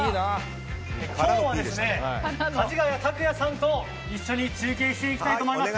今日はかじがや卓哉さんと一緒に中継していきたいと思います。